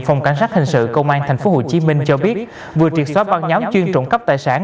phòng cảnh sát hình sự công an tp hcm cho biết vừa triệt xóa băng nhóm chuyên trộm cắp tài sản